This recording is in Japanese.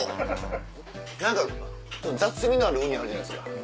何か雑味のあるウニあるじゃないですか。